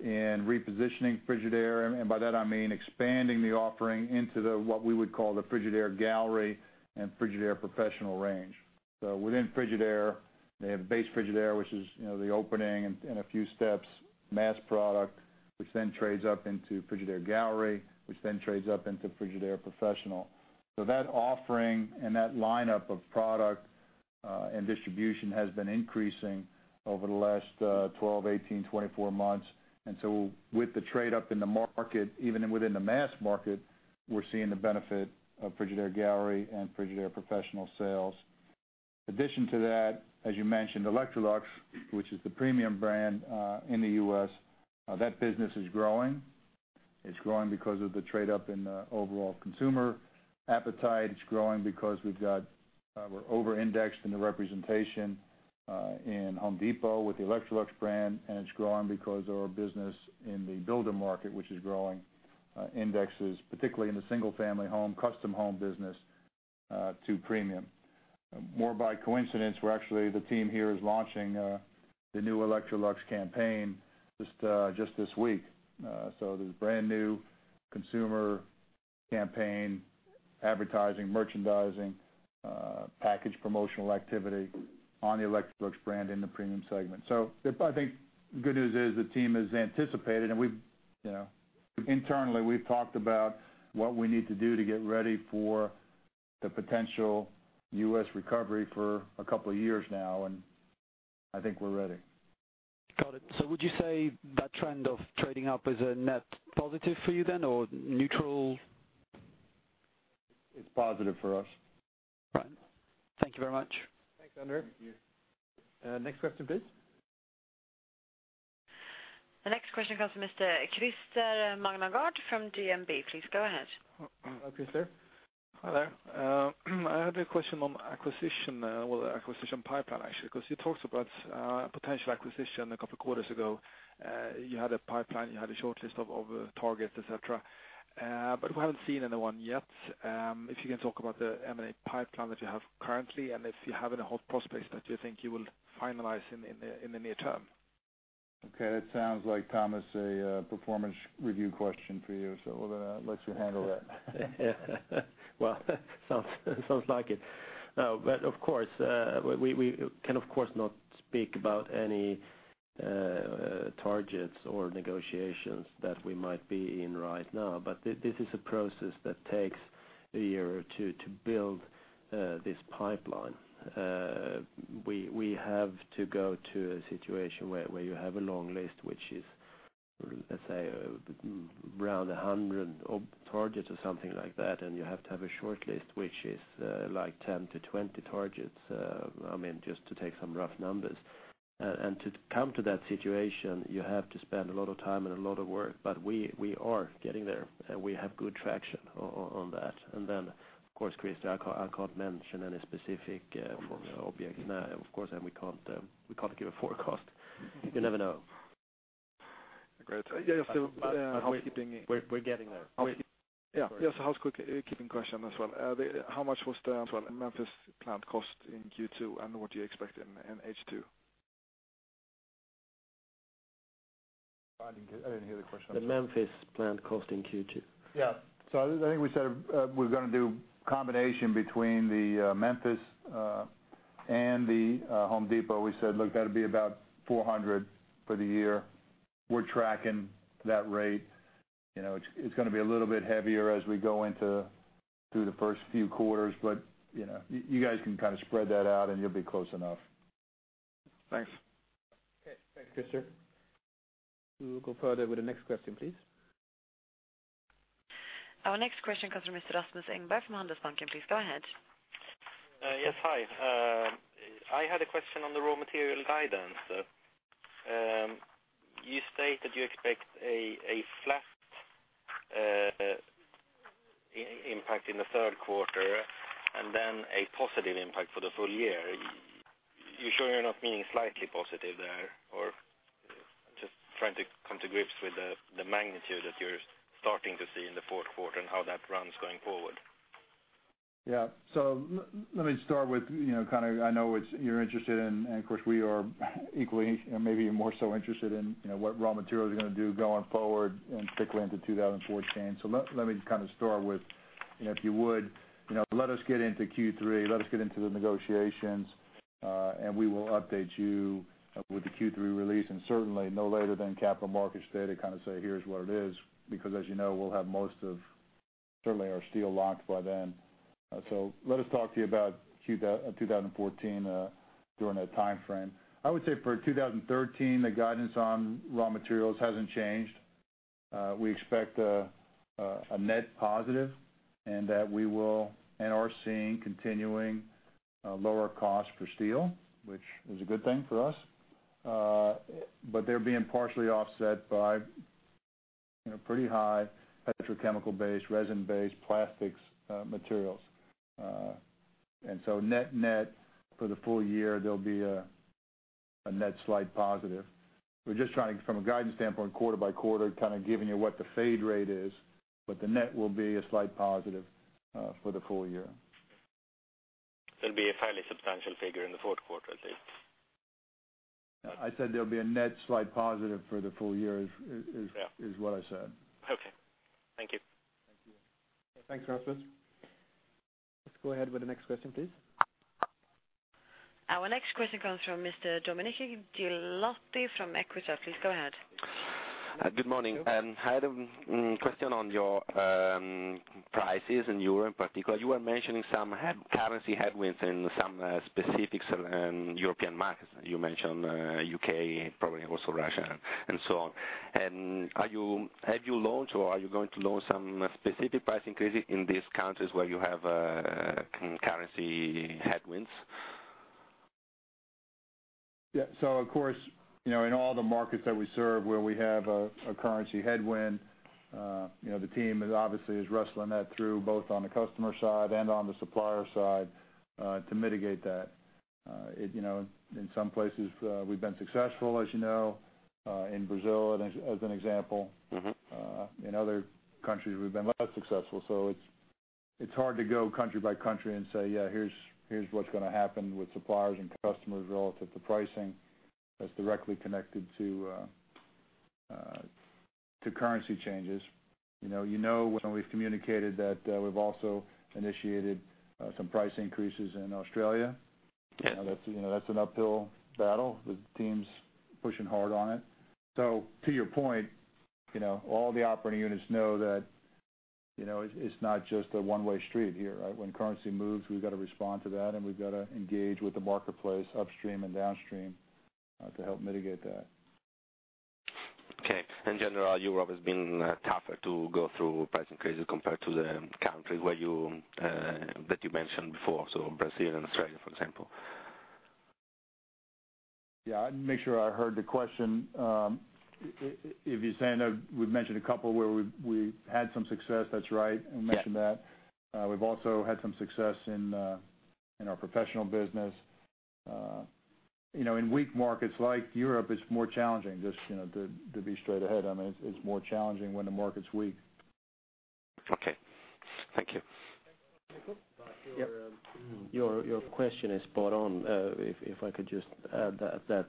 in repositioning Frigidaire, and by that I mean expanding the offering into the, what we would call the Frigidaire Gallery and Frigidaire Professional range. Within Frigidaire, they have base Frigidaire, which is, you know, the opening and a few steps, mass product, which then trades up into Frigidaire Gallery, which then trades up into Frigidaire Professional. That offering and that lineup of product and distribution has been increasing over the last 12, 18, 24 months. With the trade up in the market, even within the mass market, we're seeing the benefit of Frigidaire Gallery and Frigidaire Professional sales. Addition to that, as you mentioned, Electrolux, which is the premium brand in the U.S., that business is growing. It's growing because of the trade up in the overall consumer appetite. It's growing because we've got, we're over-indexed in the representation in Home Depot with the Electrolux brand, and it's growing because our business in the builder market, which is growing, indexes, particularly in the single-family home, custom home business, to premium. More by coincidence, we're actually, the team here is launching the new Electrolux campaign just this week. There's a brand new consumer campaign advertising, merchandising, package promotional activity on the Electrolux brand in the premium segment. If I think good news is the team has anticipated, and we've, you know, internally, we've talked about what we need to do to get ready for the potential U.S. recovery for a couple of years now, and I think we're ready. Got it. Would you say that trend of trading up is a net positive for you then, or neutral? It's positive for us. Right. Thank you very much. Thanks, Andre. Thank you. Next question, please. The next question comes from Mr. Christer Magnergård from DNB. Please go ahead. Hi, Christer. Hi there. I had a question on acquisition, well, acquisition pipeline, actually, because you talked about potential acquisition a couple of quarters ago. You had a pipeline, you had a short list of targets, etc., but we haven't seen anyone yet. If you can talk about the M&A pipeline that you have currently, and if you have any hot prospects that you think you will finalize in the near term. Okay, that sounds like, Tomas, a performance review question for you, so we're gonna let you handle that. Well, sounds like it. Of course, we can of course not speak about any targets or negotiations that we might be in right now, but this is a process that takes a year or two to build this pipeline. We have to go to a situation where you have a long list, which is, let's say, around 100 of targets or something like that, and you have to have a short list, which is like 10 to 20 targets, I mean, just to take some rough numbers. To come to that situation, you have to spend a lot of time and a lot of work, but we are getting there, and we have good traction on that. Of course, Christer, I can't mention any specific forms of objects now, of course, and we can't give a forecast. You never know. Great. Yeah, just housekeeping- We're getting there. Yeah. Yes, a housekeeping question as well. How much was the Memphis plant cost in Q2, and what do you expect in H2? I didn't hear the question. The Memphis plant cost in Q2. Yeah. I think we said we're gonna do a combination between the Memphis and the Home Depot. We said, look, that'll be about 400 for the year. We're tracking that rate. You know, it's gonna be a little bit heavier as we go into through the first few quarters, but, you know, you guys can kind of spread that out, and you'll be close enough. Thanks. Okay. Thanks Christer. We'll go further with the next question, please. Our next question comes from Mr. Rasmus Engberg, from Handelsbanken. Please go ahead. Yes, hi. I had a question on the raw material guidance. You stated you expect a flat impact in the third quarter and then a positive impact for the full year. You sure you're not meaning slightly positive there, or just trying to come to grips with the magnitude that you're starting to see in the fourth quarter and how that runs going forward? Yeah. Let me start with, you know, kind of I know it's you're interested in, and of course, we are equally, maybe more so interested in, you know, what raw materials are gonna do going forward and particularly into 2014. Let me kind of start with, you know, if you would, you know, let us get into Q3, let us get into the negotiations, and we will update you with the Q3 release, and certainly no later than Capital Markets Day to kind of say, here's what it is, because as you know, we'll have most of certainly our steel locked by then. Let us talk to you about quarter 2014 during that timeframe. I would say for 2013, the guidance on raw materials hasn't changed. We expect a net positive and that we will and are seeing continuing lower costs for steel, which is a good thing for us. They're being partially offset by, you know, pretty high petrochemical-based, resin-based plastics, materials. Net, net for the full year, there'll be a net slight positive. We're just trying, from a guidance standpoint, quarter by quarter, kind of giving you what the fade rate is, but the net will be a slight positive for the full year. It'll be a fairly substantial figure in the fourth quarter, at least? I said there'll be a net slight positive for the full year. Yeah. is what I said. Okay, thank you. Thank you. Thanks Rasmus. Let's go ahead with the next question, please. Our next question comes from Mr. Domenico Ghilotti from Equita. Please go ahead. Good morning. I had a question on your prices in Europe in particular. You were mentioning some currency headwinds in some specifics in European markets. You mentioned UK, probably also Russia and so on. Have you launched, or are you going to launch some specific price increases in these countries where you have currency headwinds? Yeah. Of course, you know, in all the markets that we serve, where we have a currency headwind, you know, the team is obviously wrestling that through, both on the customer side and on the supplier side, to mitigate that. You know, in some places, we've been successful, as you know, in Brazil, as an example. Mm-hmm. In other countries, we've been less successful, so it's hard to go country by country and say, yeah, here's what's gonna happen with suppliers and customers relative to pricing. That's directly connected to currency changes. You know when we've communicated that, we've also initiated some price increases in Australia. Yeah. That's, you know, that's an uphill battle. The team's pushing hard on it. To your point, you know, all the operating units know that, you know, it's not just a one-way street here, right? When currency moves, we've got to respond to that, and we've got to engage with the marketplace upstream and downstream, to help mitigate that. Okay. In general, Europe has been tougher to go through price increases compared to the countries where you, that you mentioned before, so Brazil and Australia, for example. Yeah, I want to make sure I heard the question. If you're saying that we've mentioned a couple where we had some success, that's right. Yeah. I mentioned that. We've also had some success in our professional business. You know, in weak markets like Europe, it's more challenging, just, you know, to be straight ahead. I mean, it's more challenging when the market's weak. Oka, thank you. Your question is spot on. If I could just add that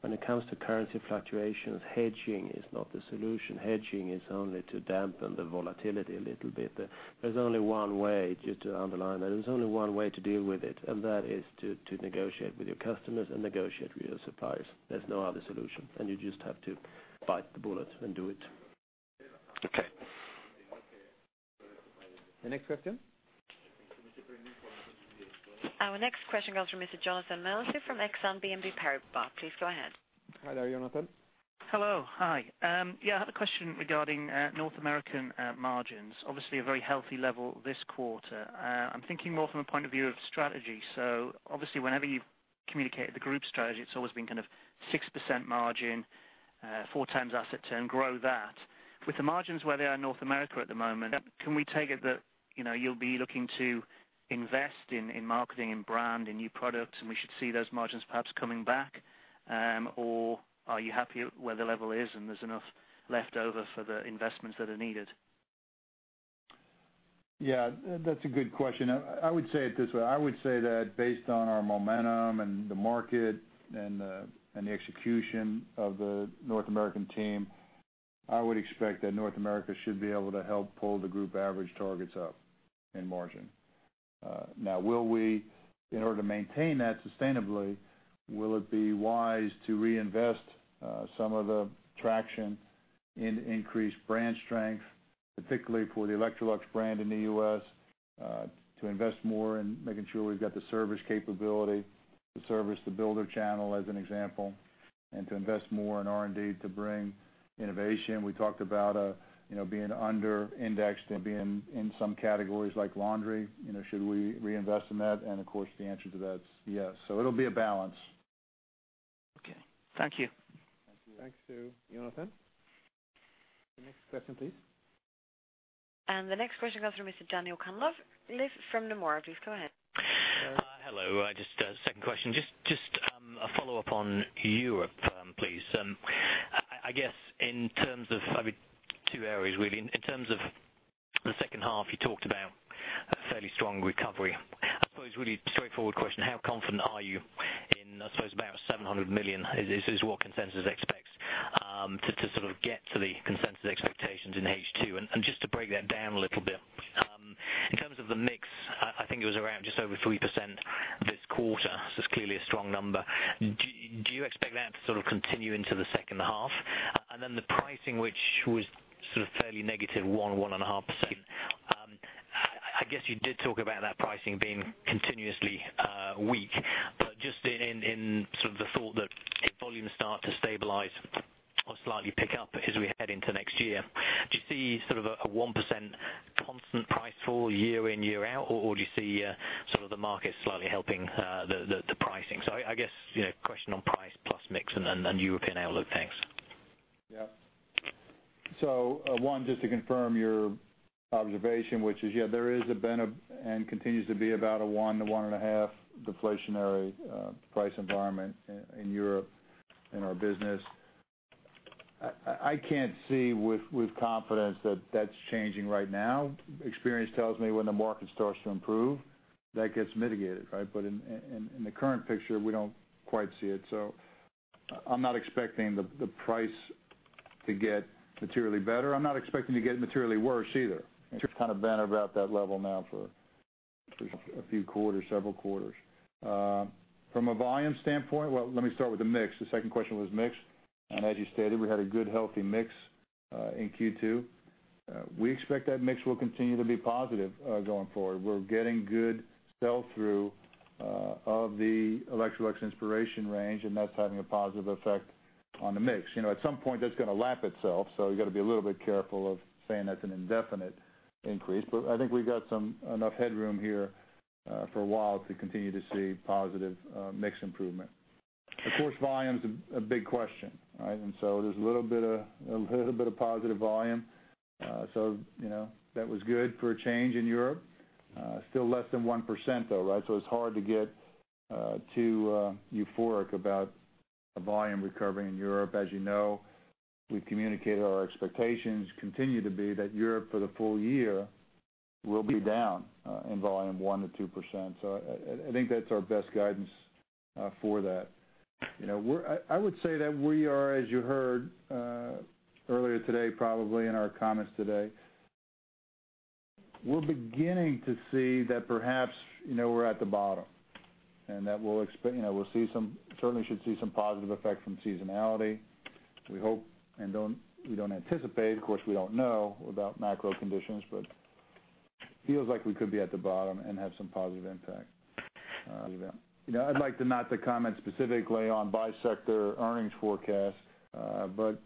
when it comes to currency fluctuations, hedging is not the solution. Hedging is only to dampen the volatility a little bit. There's only one way, just to underline that, there's only one way to deal with it, that is to negotiate with your customers and negotiate with your suppliers. There's no other solution. You just have to bite the bullet and do it. Okay. The next question? Our next question comes from Mr. Jonathan Moberly from Exane BNP Paribas. Please go ahead. Hello Jonathan. Hello, hi. Yeah, I have a question regarding North American margins. Obviously, a very healthy level this quarter. I'm thinking more from a point of view of strategy. Obviously, whenever you've communicated the group strategy, it's always been kind of 6% margin, 4x asset turn, grow that. With the margins where they are in North America at the moment, can we take it that, you know, you'll be looking to invest in marketing and brand, in new products, and we should see those margins perhaps coming back? Are you happy where the level is, and there's enough left over for the investments that are needed? Yeah, that's a good question. I would say it this way: I would say that based on our momentum and the market and the execution of the North American team, I would expect that North America should be able to help pull the group average targets up in margin. Now, in order to maintain that sustainably, will it be wise to reinvest some of the traction in increased brand strength, particularly for the Electrolux brand in the U.S., to invest more in making sure we've got the service capability to service the builder channel, as an example, and to invest more in R&D to bring innovation? We talked about, you know, being under indexed and being in some categories like laundry, you know, should we reinvest in that? Of course, the answer to that is yes. It'll be a balance. Okay, thank you. Thank you. Thanks to Jonathan. The next question, please. The next question comes from Mr. Daniel Cunliffe from Nomura. Please go ahead. Hello. I just a second question. Just a follow-up on Europe, please. I guess in terms of maybe two areas, really. In terms of the second half, you talked about a fairly strong recovery. I suppose, really straightforward question, how confident are you in, I suppose, about 700 million is what consensus expects to sort of get to the consensus expectations in H2? Just to break that down a little bit, in terms of the mix, I think it was around just over 3% this quarter. It's clearly a strong number. Do you expect that to sort of continue into the second half? The pricing, which was sort of fairly negative, 1.5%. I guess you did talk about that pricing being continuously weak. Just in sort of the thought that if volumes start to stabilize or slightly pick up as we head into next year, do you see sort of a 1% constant price fall year in, year out, or do you see sort of the market slightly helping the pricing? I guess, you know, question on price plus mix and then European outlook. Thanks. Yeah. One, just to confirm your observation, which is, yeah, there is a been a and continues to be about a 1% to 1.5% deflationary price environment in Europe in our business. I can't see with confidence that that's changing right now. Experience tells me when the market starts to improve, that gets mitigated, right? In the current picture, we don't quite see it, so I'm not expecting the price to get materially better. I'm not expecting to get materially worse either. It's kind of been about that level now for a few quarters, several quarters. From a volume standpoint...let me start with the mix. The second question was mix, and as you stated, we had a good, healthy mix in Q2. We expect that mix will continue to be positive going forward. We're getting good sell-through of the Electrolux Inspiration Range, and that's having a positive effect on the mix. You know, at some point, that's going to lap itself, so you got to be a little bit careful of saying that's an indefinite increase. I think we've got some, enough headroom here, for a while to continue to see positive mix improvement. Of course, volume is a big question, right? There's a little bit of positive volume. You know, that was good for a change in Europe. Still less than 1%, though, right? It's hard to get too euphoric about a volume recovery in Europe. As you know, we've communicated our expectations continue to be that Europe, for the full year, will be down in volume 1%-2%. I think that's our best guidance for that. You know, I would say that we are, as you heard earlier today, probably in our comments today, we're beginning to see that perhaps, you know, we're at the bottom, and that we'll you know, we'll see some, certainly should see some positive effect from seasonality. We hope and don't, we don't anticipate, of course, we don't know about macro conditions, but feels like we could be at the bottom and have some positive impact. You know, I'd like to not comment specifically on bi-sector earnings forecast, but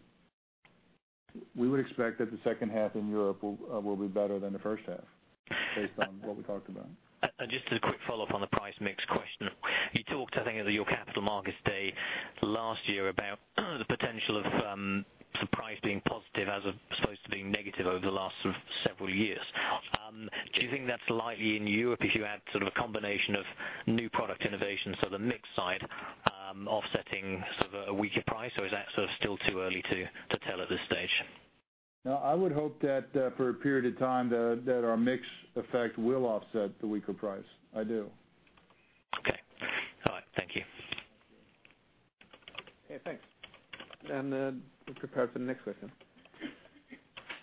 we would expect that the second half in Europe will be better than the first half, based on what we talked about. Just a quick follow-up on the price mix question. You talked, I think, at your Capital Markets Day last year, about the potential of the price being positive as opposed to being negative over the last several years. Do you think that's likely in Europe, if you add sort of a combination of new product innovations to the mix side, offsetting sort of a weaker price, or is that sort of still too early to tell at this stage? No, I would hope that, for a period of time, that our mix effect will offset the weaker price. I do. Okay. All right, thank you. Yeah, thanks. We're prepared for the next question.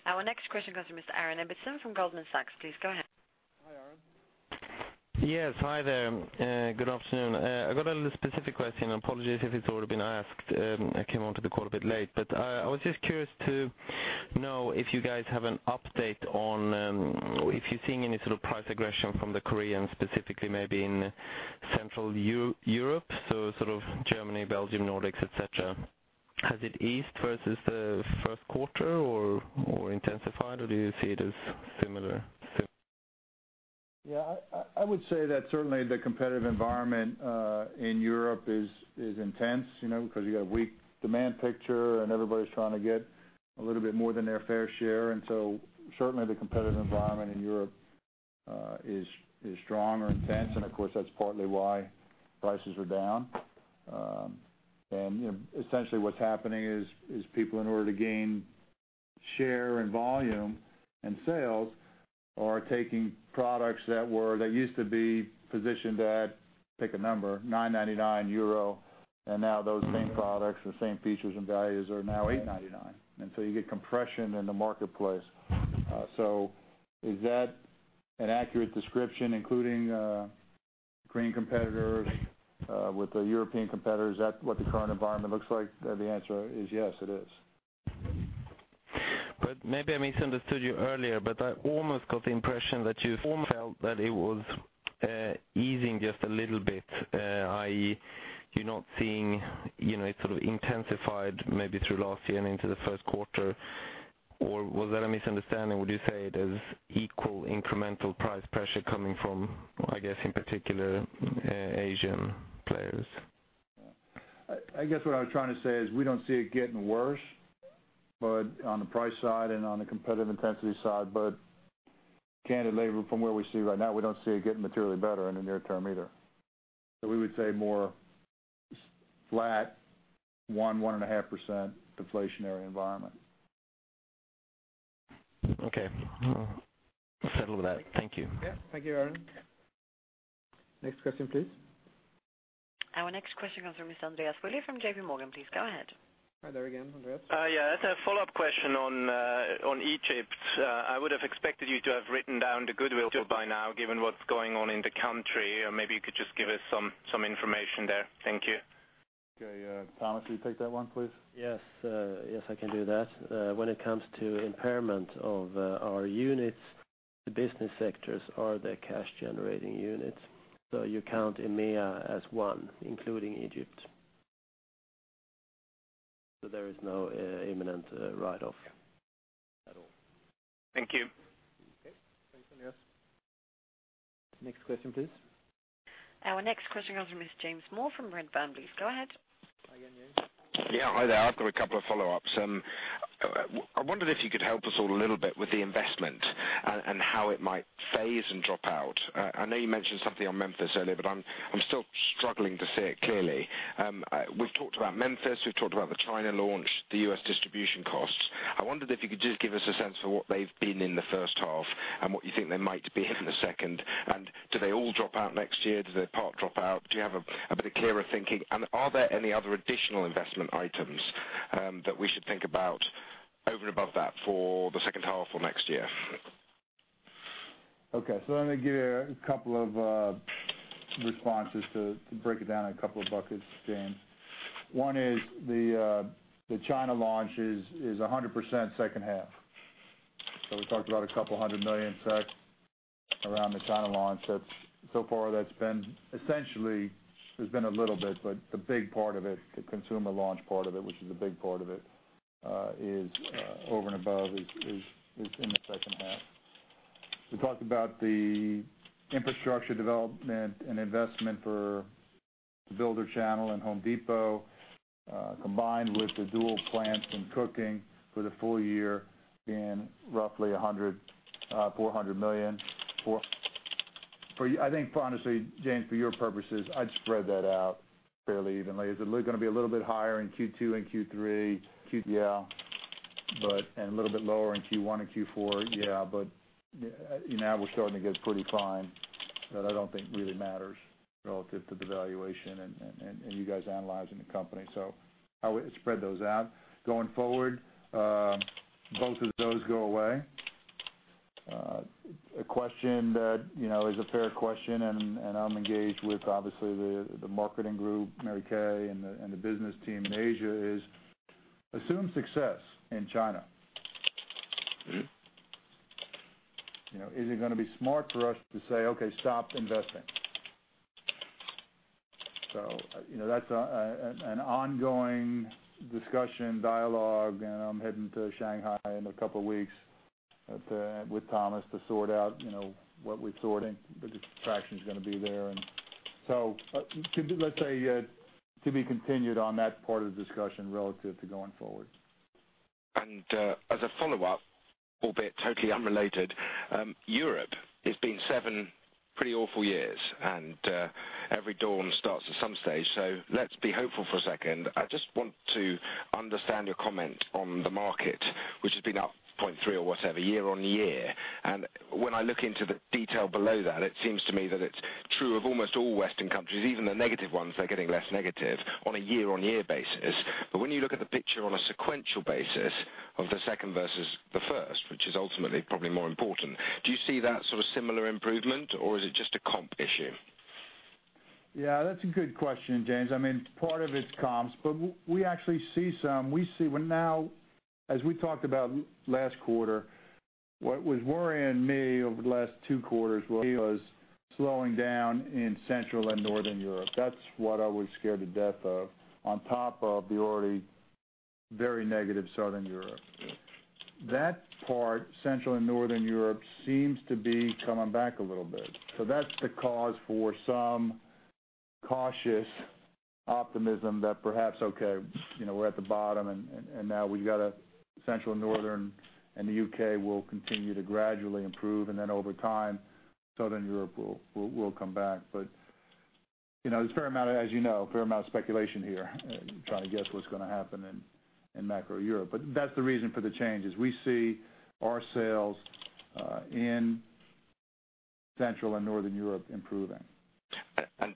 Our next question comes from Mr. Alec Emerson from Goldman Sachs. Please go ahead. Hi, Aaron. Yes, hi there. Good afternoon. I got a specific question. Apologies if it's already been asked. I came onto the call a bit late, but I was just curious to know if you guys have an update on if you're seeing any sort of price aggression from the Koreans, specifically, maybe in central Europe, so sort of Germany, Belgium, Nordics, et cetera. Has it eased versus the first quarter or intensified, or do you see it as similar? Yeah, I would say that certainly the competitive environment in Europe is intense, you know, because you got a weak demand picture, and everybody's trying to get a little bit more than their fair share. Certainly the competitive environment in Europe is strong or intense, and of course, that's partly why prices are down. Essentially, what's happening is people, in order to gain share and volume and sales, are taking products that used to be positioned at, pick a number, 999 euro, and now those same products, the same features and values, are now 899. You get compression in the marketplace. Is that an accurate description, including Korean competitors with the European competitors, is that what the current environment looks like? The answer is yes, it is. Maybe I misunderstood you earlier, but I almost got the impression that you felt that it was easing just a little bit, i.e., you're not seeing, you know, it sort of intensified maybe through last year and into the first quarter. Was that a misunderstanding? Would you say it is equal incremental price pressure coming from, I guess, in particular, Asian players? I guess what I was trying to say is we don't see it getting worse, but on the price side and on the competitive intensity side, but candidly, from where we see right now, we don't see it getting materially better in the near term either. We would say more flat, 1%-1.5% deflationary environment. Okay. I'll settle with that, thank you. Yeah. Thank you, Alec. Next question, please. Our next question comes from Mr. Andreas Willi from JPMorgan. Please go ahead. Hi there again Andreas. Yeah, it's a follow-up question on Egypt. I would have expected you to have written down the goodwill by now, given what's going on in the country. Maybe you could just give us some information there. Thank you. Okay, Thomas will you take that one, please? Yes, I can do that. When it comes to impairment of our units, the business sectors are the cash-generating units. You count EMEA as one, including Egypt. There is no imminent write-off at all. Thank you. Okay, thanks Andreas. Next question, please. Our next question comes from Mr. James Moore from Redburn. Please go ahead. Hi again James. Yeah, hi there. I've got a couple of follow-ups. I wondered if you could help us all a little bit with the investment and how it might phase and drop out. I know you mentioned something on Memphis earlier, but I'm still struggling to see it clearly. We've talked about Memphis, we've talked about the China launch, the U.S. distribution costs. I wondered if you could just give us a sense of what they've been in the first half and what you think they might be in the second. Do they all drop out next year? Do they part drop out? Do you have a bit of clearer thinking? Are there any other additional investment items that we should think about over and above that for the second half or next year? Let me give you a couple of responses to break it down in a couple of buckets, James. One is the China launch is 100% second half. We talked about a couple hundred million sets around the China launch. That's, so far that's been, essentially, there's been a little bit, but the big part of it, the consumer launch part of it, which is a big part of it, is over and above, is in the second half. We talked about the infrastructure development and investment for the builder channel and Home Depot, combined with the dual plants and cooking for the full year in roughly 100, 400 million. For, I think, honestly, James, for your purposes, I'd spread that out fairly evenly. Is it going to be a little bit higher in Q2 and Q3? Q, yeah, but a little bit lower in Q1 and Q4. Yeah, but, now we're starting to get pretty fine, that I don't think really matters relative to the valuation and you guys analyzing the company. I would spread those out. Going forward, both of those go away. A question that, you know, is a fair question, and I'm engaged with, obviously, the marketing group, MaryKay Kopf, and the business team in Asia is: Assume success in China. You know, is it going to be smart for us to say, "Okay, stop investing?" You know, that's an ongoing discussion, dialogue. I'm heading to Shanghai in a couple of weeks with Tomas, to sort out, you know, what we're sorting, the distraction is going to be there. Let's say, to be continued on that part of the discussion relative to going forward. As a follow-up, albeit totally unrelated, Europe, it's been seven pretty awful years, and every dawn starts at some stage, so let's be hopeful for a second. I just want to understand your comment on the market, which has been up 0.3 or whatever, year-on-year. When I look into the detail below that, it seems to me that it's true of almost all Western countries, even the negative ones, they're getting less negative on a year-on-year basis. When you look at the picture on a sequential basis of the second versus the first, which is ultimately probably more important, do you see that sort of similar improvement, or is it just a comp issue? Yeah, that's a good question, James. I mean, part of it's comps, but we actually see some. We see Well, now, as we talked about last quarter, what was worrying me over the last two quarters was slowing down in Central and Northern Europe. That's what I was scared to death of, on top of the already very negative Southern Europe. That part, Central and Northern Europe, seems to be coming back a little bit. That's the cause for some cautious optimism that perhaps, okay, you know, we're at the bottom, and now we've got a Central and Northern, and the U.K. will continue to gradually improve, and then over time, Southern Europe will come back. You know, there's a fair amount, as you know, a fair amount of speculation here, trying to guess what's going to happen in macro Europe. That's the reason for the change, is we see our sales in Central and Northern Europe improving.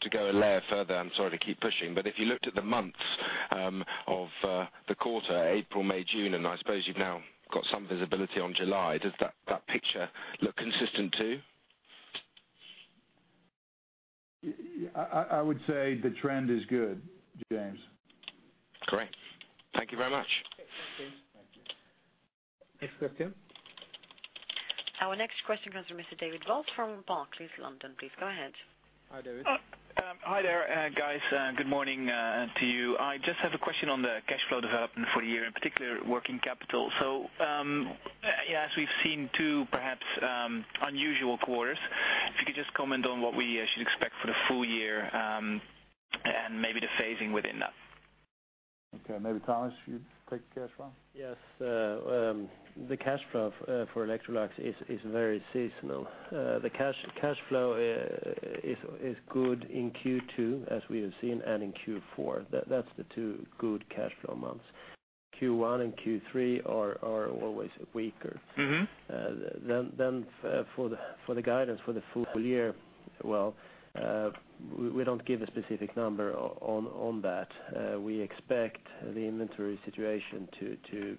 To go a layer further, I'm sorry to keep pushing, but if you looked at the months, of the quarter, April, May, June, and I suppose you've now got some visibility on July, does that picture look consistent, too? I would say the trend is good, James. Great, thank you very much. Thank you. Next question. Our next question comes from Mr. David Bolt from Barclays, London. Please go ahead. Hi, David. Hi there, guys. Good morning, to you. I just have a question on the cash flow development for the year, in particular, working capital. As we've seen, two perhaps unusual quarters, if you could just comment on what we should expect for the full year, and maybe the phasing within that. Okay maybe, Tomas, you take cash flow? Yes. The cash flow for Electrolux is very seasonal. The cash flow is good in Q2, as we have seen, and in Q4. That's the two good cash flow months. Q1 and Q3 are always weaker. Mm-hmm. Then for the guidance for the full year, well, we don't give a specific number on that. We expect the inventory situation to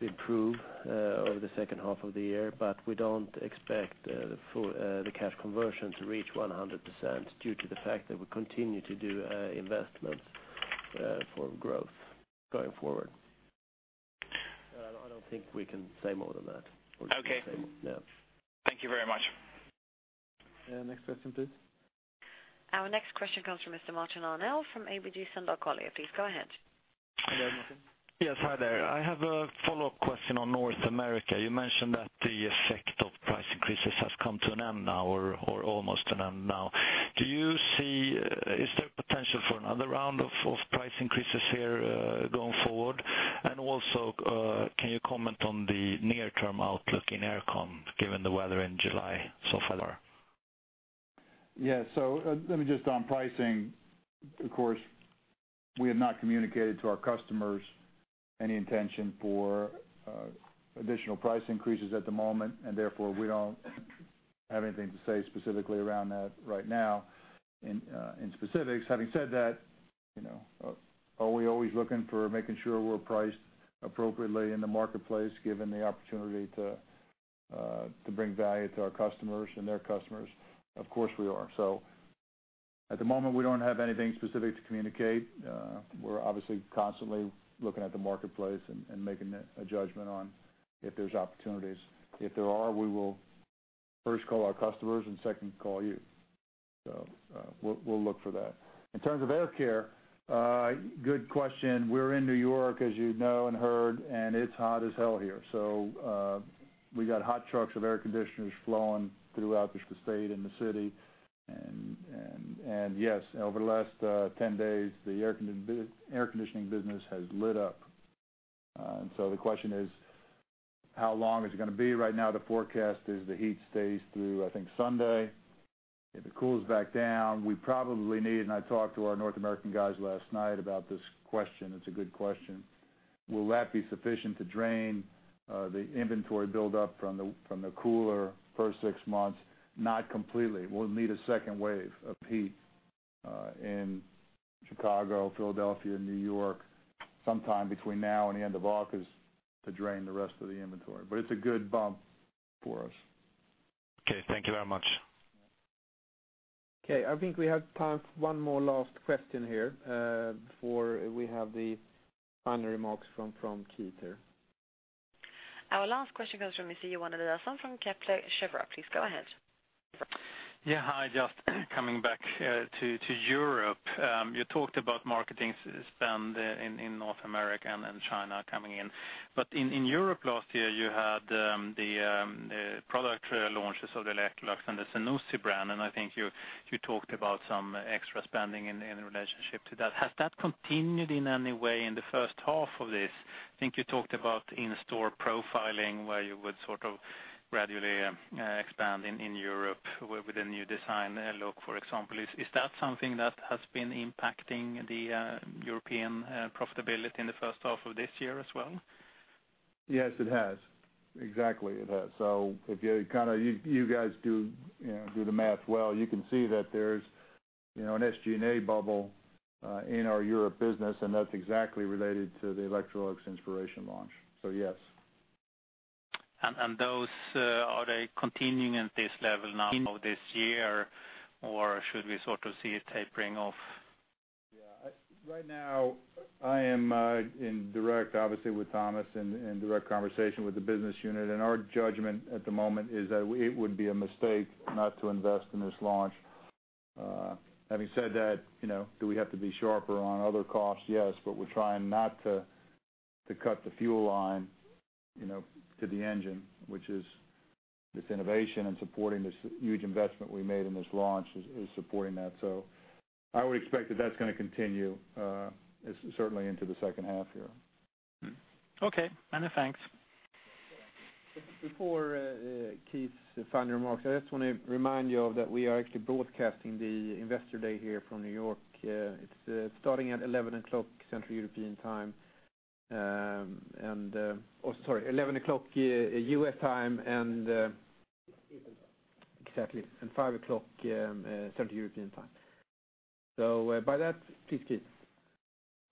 improve over the second half of the year, but we don't expect the full cash conversion to reach 100% due to the fact that we continue to do investment for growth going forward. I don't think we can say more than that. Okay. Yeah. Thank you very much. Next question, please. Our next question comes from Mr. Martin Arnell from ABG Sundal Collier. Please go ahead. Hi Martin. Hi there. I have a follow-up question on North America. You mentioned that the effect of price increases has come to an end now or almost to an end now. Is there potential for another round of price increases here going forward? Also, can you comment on the near-term outlook in air con, given the weather in July so far? Yes. Let me just on pricing, of course, we have not communicated to our customers any intention for additional price increases at the moment, and therefore, we don't have anything to say specifically around that right now in specifics. Having said that, you know, are we always looking for making sure we're priced appropriately in the marketplace, given the opportunity to bring value to our customers and their customers? Of course, we are. At the moment, we don't have anything specific to communicate. We're obviously constantly looking at the marketplace and making a judgment on if there's opportunities. If there are, we will first call our customers and second, call you. We'll look for that. In terms of air care, good question, we're in New York, as you know and heard, and it's hot as hell here. We got hot trucks of air conditioners flowing throughout the state and the city. And yes, over the last, 10 days, the air conditioning business has lit up. The question is, how long is it gonna be? Right now, the forecast is the heat stays through, I think, Sunday. If it cools back down, we probably need, and I talked to our North American guys last night about this question, it's a good question. Will that be sufficient to drain the inventory build up from the, from the cooler first six months? Not completely. We'll need a second wave of heat, in Chicago, Philadelphia, New York, sometime between now and the end of August to drain the rest of the inventory, but it's a good bump for us. Okay, thank you very much. Okay, I think we have time for one more last question here, before we have the final remarks from Keith here. Our last question comes from Mr. Johan Eliasson from Kepler Cheuvreux. Please go ahead. Yeah, hi. Just coming back to Europe. You talked about marketing spend in North America and in China coming in. In Europe last year, you had the product launches of the Electrolux and the Zanussi brand, and I think you talked about some extra spending in relationship to that. Has that continued in any way in the first half of this? I think you talked about in-store profiling, where you would sort of gradually expand in Europe with a new design look, for example. Is that something that has been impacting the European profitability in the first half of this year as well? Yes, it has. Exactly, it has. If you guys do the math well, you can see that there's, you know, an SG&A bubble in our Europe business, and that's exactly related to the Electrolux Inspiration launch. Yes. And those are they continuing at this level now this year, or should we sort of see a tapering off? Yeah. Right now, I am in direct, obviously, with Tomas, in direct conversation with the business unit, our judgment at the moment is that it would be a mistake not to invest in this launch. Having said that, you know, do we have to be sharper on other costs? Yes, but we're trying not to cut the fuel line, you know, to the engine, which is this innovation and supporting this huge investment we made in this launch is supporting that. I would expect that that's gonna continue, certainly into the second half year. Mm-hmm. Okay, many thanks. Before Keith's final remarks, I just wanna remind you of that we are actually broadcasting the Investor Day here from New York. It's starting at 11:00 A.M. Central European Time. Oh, sorry, 11:00 A.M U.S. time. Exactly. Exactly, and 5:00 P.M., Central European time. By that, please, Keith.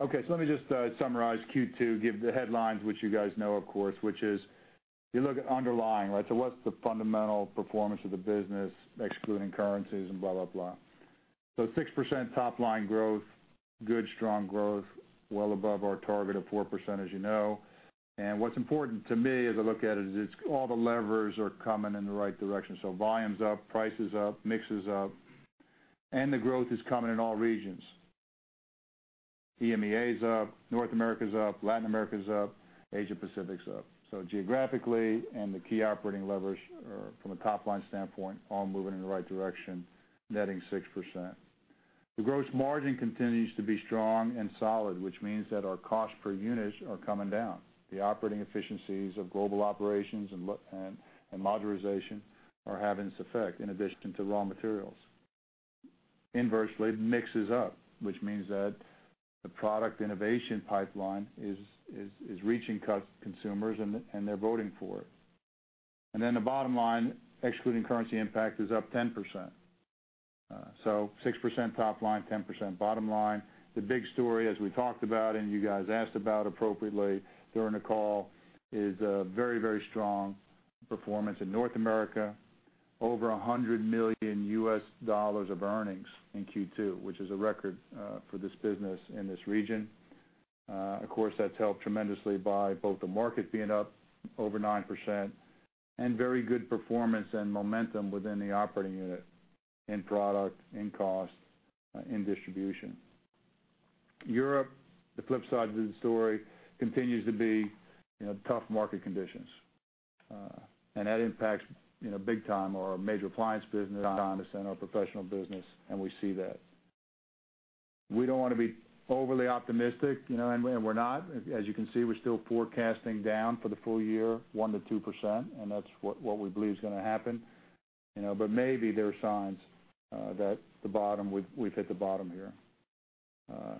Let me just summarize Q2, give the headlines, which you guys know, of course, which is, you look at underlying, right? What's the fundamental performance of the business, excluding currencies and blah, blah. 6% top-line growth, good, strong growth, well above our target of 4%, as you know. What's important to me, as I look at it, is it's all the levers are coming in the right direction. Volume's up, price is up, mix is up, and the growth is coming in all regions. EMEA is up, North America is up, Latin America is up, Asia Pacific's up. Geographically and the key operating levers are from a top-line standpoint, all moving in the right direction, netting 6%. The gross margin continues to be strong and solid, which means that our cost per units are coming down. The operating efficiencies of global operations and modularization are having this effect, in addition to raw materials. Inversely, mix is up, which means that the product innovation pipeline is reaching consumers, and they're voting for it. The bottom line, excluding currency impact, is up 10%. 6% top line, 10% bottom line. The big story, as we talked about and you guys asked about appropriately during the call, is a very, very strong performance in North America. Over $100 million of earnings in Q2, which is a record for this business in this region. Of course, that's helped tremendously by both the market being up over 9% and very good performance and momentum within the operating unit, in product, in cost, in distribution. Europe, the flip side to the story, continues to be, you know, tough market conditions, and that impacts, you know, big time, our major appliance business, Thomas, and our professional business, and we see that. We don't wanna be overly optimistic, you know, and we're not. As you can see, we're still forecasting down for the full year, 1%-2%, and that's what we believe is gonna happen, you know. Maybe there are signs that the bottom. We've hit the bottom here.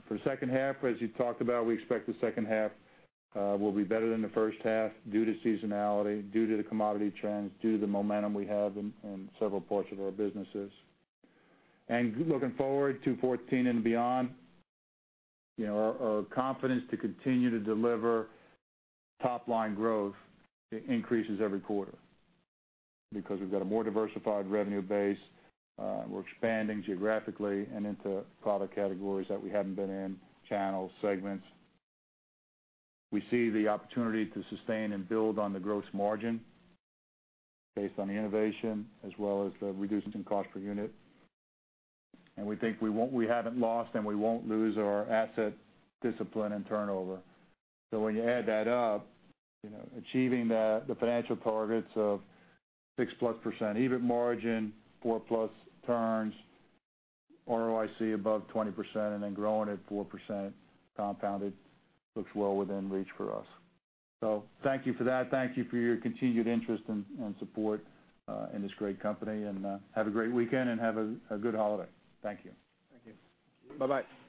For the second half, as you talked about, we expect the second half will be better than the first half due to seasonality, due to the commodity trends, due to the momentum we have in several parts of our businesses. Looking forward to 2014 and beyond, you know, our confidence to continue to deliver top-line growth increases every quarter because we've got a more diversified revenue base, we're expanding geographically and into product categories that we haven't been in, channels, segments. We see the opportunity to sustain and build on the gross margin based on the innovation, as well as the reducing cost per unit. We think we haven't lost, and we won't lose our asset discipline and turnover. When you add that up, you know, achieving the financial targets of 6%+ EBIT margin, 4+ turns ROIC above 20%, and then growing at 4% compounded, looks well within reach for us. Thank you for that. Thank you for your continued interest and support in this great company, and have a great weekend and have a good holiday. Thank you. Thank you. Bye-bye. Thank you so much.